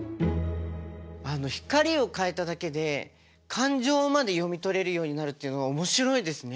光を変えただけで感情まで読み取れるようになるっていうのは面白いですね。